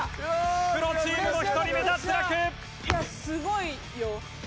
プロチームの１人目脱落！